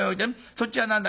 そっちは何だい？